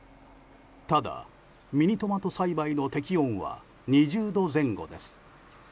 ただ、ミニトマト栽培の適温は２０度前後です。